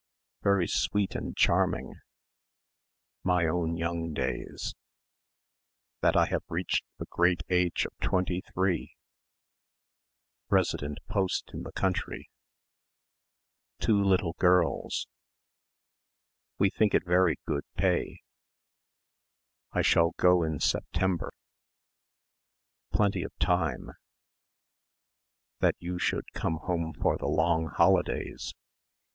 Very sweet and charming my own young days that I have reached the great age of twenty three resident post in the country two little girls we think it very good pay I shall go in September plenty of time that you should come home for the long holidays.